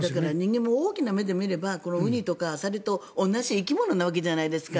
人間も大きな目で見ればウニとかアサリと同じ生き物なわけじゃないですか。